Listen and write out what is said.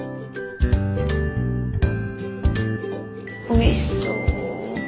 おいしそう。